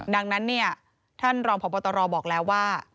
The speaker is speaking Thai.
ดังนั้นเนี่ยท่านรองพบตรบอกแล้วว่า